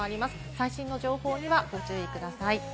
最新の情報にはご注意ください。